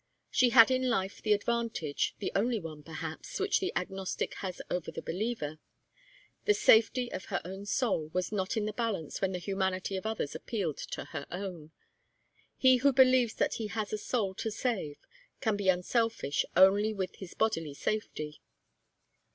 She had in life the advantage, the only one, perhaps, which the agnostic has over the believer the safety of her own soul was not in the balance when the humanity of others appealed to her own. He who believes that he has a soul to save can be unselfish only with his bodily safety.